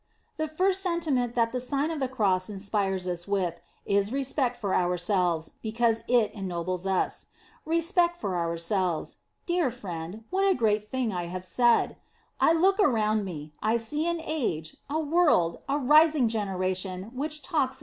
The first sentiment that tho. Sign of the Cross inspires us with, is respect for our selves, because it ennobles us. Respect for ourselves! Dear friend, what a great thing \ have said. I look around me ; I see an age, a world, a rising generation which talks in *See her Life, viii.